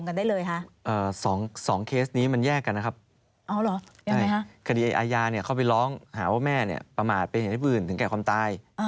คดีไอ้อายาเขาไปร้องหาว่าแม่เนี่ยประมาทเป็นเหตุผลถึงแก่ความตาย